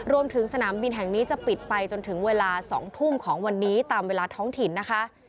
รวมถึงสนามบินแห่งนี้จะปิดไปจนถึงเวลา๒ทุ่มของวันนี้ตามเวลาท้องถิ่นนะคะ